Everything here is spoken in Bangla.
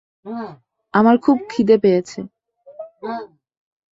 আমার খুব খিদে পেয়েছে।